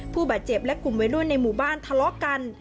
ผู้บาดเจ็บและกลุ่มวัยรุ่นในหมู่บ้านทะเลาะกัน